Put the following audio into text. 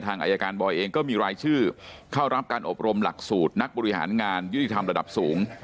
อายการบอยเองก็มีรายชื่อเข้ารับการอบรมหลักสูตรนักบริหารงานยุติธรรมระดับสูง